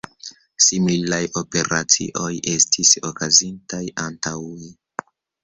Similaj operacioj estis okazintaj antaŭe.